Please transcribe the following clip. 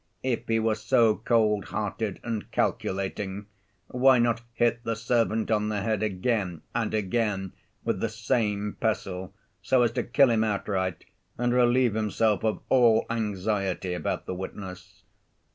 If he were so cold‐hearted and calculating, why not hit the servant on the head again and again with the same pestle so as to kill him outright and relieve himself of all anxiety about the witness?